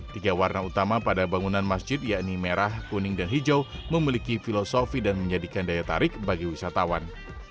tiga warna utama pada bangunan masjid yakni merah kuning dan hijau memiliki filosofi dan menjadikan daya tarik bagi wisatawan